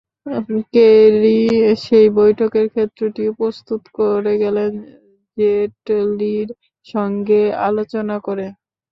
Kerry সেই বৈঠকের ক্ষেত্রটিও প্রস্তুত করে গেলেন জেটলির সঙ্গে আলোচনা করে।